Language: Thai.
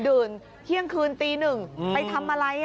ื่นเที่ยงคืนตีหนึ่งไปทำอะไร